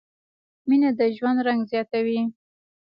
مینه د ژوند رنګ زیاتوي.